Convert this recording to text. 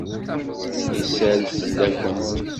Isal-d fell-awent.